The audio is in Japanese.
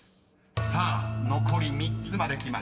［さあ残り３つまできました］